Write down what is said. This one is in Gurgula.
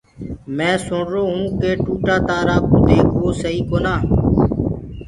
مينٚ سُرو هونٚ ڪي ٽوٽآ تآرآ ڪوُ ديگھوآ سئي ڪونآ۔